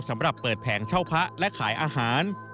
สำหรับเปิดแผงเช่าพระและขายอาหาร